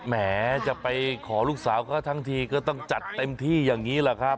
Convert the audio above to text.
แหมจะไปขอลูกสาวเขาทั้งทีก็ต้องจัดเต็มที่อย่างนี้แหละครับ